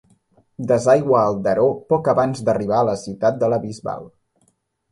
Desaigua al Daró poc abans d'arribar a la ciutat de la Bisbal.